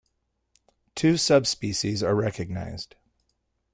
Two subspecies are recognised.